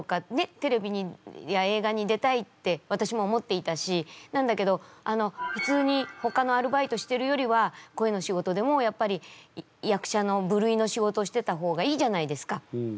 テレビや映画に出たいって私も思っていたしなんだけどあの普通にほかのアルバイトしてるよりは声の仕事でもやっぱり役者の部類の仕事をしてた方がいいじゃないですか。